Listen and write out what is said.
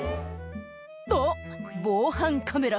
あっ、防犯カメラ。